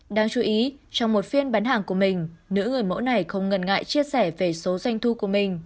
đáng chú ý trong một phiên bán hàng của mình nữ người mẫu này không ngần ngại chia sẻ về số doanh thu của mình